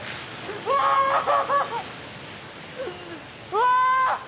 うわ！